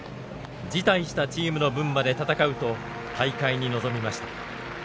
辞退したチームの分まで戦うと大会に臨みました。